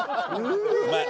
うまい。